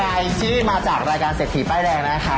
ใครที่มาจากรายการเศรษฐีป้ายแดงนะคะ